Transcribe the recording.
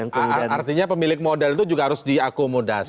artinya pemilik modal itu juga harus diakomodasi